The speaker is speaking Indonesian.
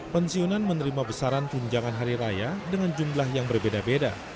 pensiunan menerima besaran tunjangan hari raya dengan jumlah yang berbeda beda